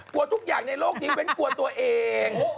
กลัวทุกอย่างในโลกนี้เว้นกลัวตัวเอง